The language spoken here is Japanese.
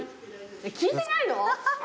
聞いてないの？